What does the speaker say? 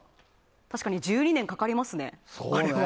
確かに１２年かかりますねあれは。